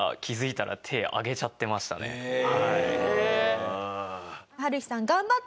へえ。